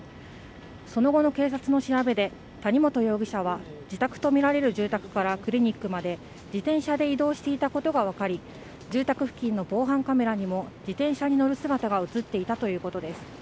その後の警察の調べで、谷本容疑者は自宅とみられる住宅からクリニックまで自転車で移動していたことが分かり、住宅付近の防犯カメラにも自転車に乗る姿が映っていたということです。